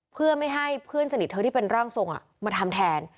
เพื่อไม่ให้เพื่อนสนิทเธอที่เป็นร่างทรงมาทำแทน